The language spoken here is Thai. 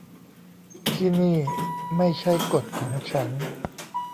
ที่นี่ไม่ใช่กฎของฉัน